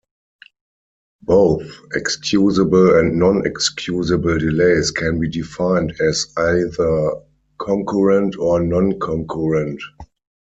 Both excusable and non-excusable delays can be defined as either concurrent or non-concurrent.